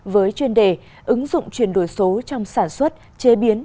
với chuyên đề ứng dụng chuyển đổi số trong sản xuất chế biến